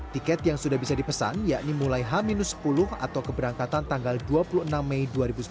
tiket yang sudah bisa dipesan yakni mulai h sepuluh atau keberangkatan tanggal dua puluh enam mei dua ribu sembilan belas